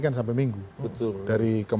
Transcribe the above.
kan sampai minggu betul dari